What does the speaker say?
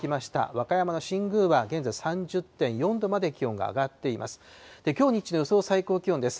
和歌山の新宮は現在、３０．４度まで気温が上がっています。